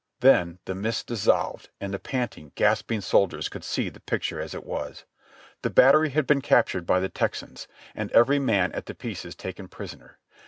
Then the mists dissolved and the panting, gasping soldiers could see the picture as it was. The battery had been captured by the Texans, and every man at the pieces taken prisoner.